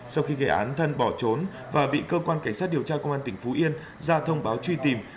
sau khi gây án thân bỏ trốn và bị cơ quan cảnh sát điều tra công an tỉnh phú yên ra thông báo truy tìm